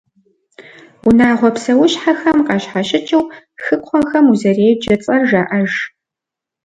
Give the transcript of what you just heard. Унагъуэ псэущхьэхэм къащхьэщыкӏыу, хыкхъуэхэм узэреджэ цӏэр жаӏэж.